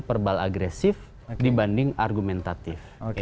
verbal agresif dibanding argumentatif